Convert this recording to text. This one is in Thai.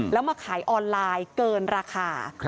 แล้วมาขายออนไลน์เกินราคา